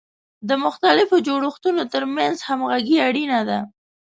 د مختلفو جوړښتونو ترمنځ همغږي اړینه ده.